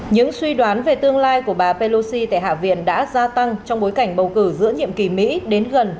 những suy đoán về tương lai của bà pelosi tại hạ viện đã gia tăng trong bối cảnh bầu cử giữa nhiệm kỳ mỹ đến gần